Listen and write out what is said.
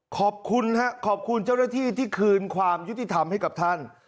ขอบคุณครับขอบคุณเจ้าหน้าที่ที่คืนความยุติธรรมให้กับท่าน